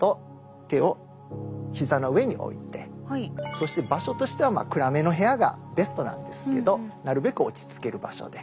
そして場所としては暗めの部屋がベストなんですけどなるべく落ち着ける場所で。